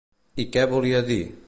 I què volia dir?